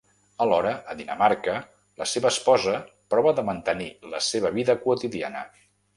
Alhora, a Dinamarca, la seva esposa prova de mantenir la seva vida quotidiana.